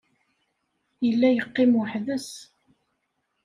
Yella yeqqim weḥd-s.